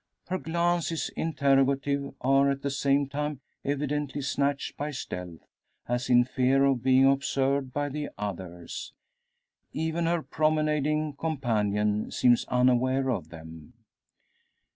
Her glances interrogative, are at the same time evidently snatched by stealth as in fear of being observed by the others. Even her promenading companion seems unaware of them.